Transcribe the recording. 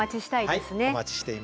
はいお待ちしています。